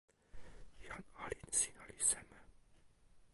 jan olin sina li seme?